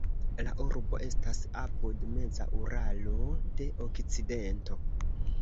La urbo estas apud meza Uralo de okcidento.